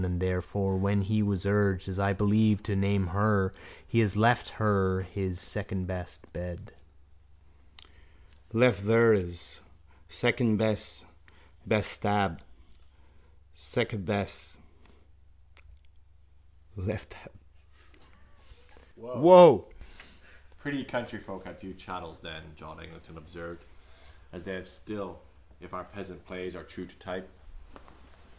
And therefore when he was urged, As I believe, to name her He left her his Secondbest Bed. Punkt. Leftherhis Secondbest Leftherhis Bestabed Secabest Leftabed. Woa! —Pretty countryfolk had few chattels then, John Eglinton observed, as they have still if our peasant plays are true to type.